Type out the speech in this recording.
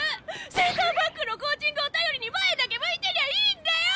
センターバックのコーチングを頼りに前だけ向いてりゃいいんだよ！